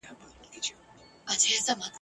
چي قاضي کړه د طبیب دعوه منظوره !.